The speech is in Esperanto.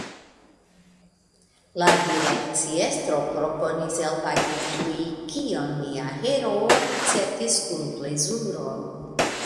La direkciestro proponis elpagi tuj, kion nia heroo akceptis kun plezuro.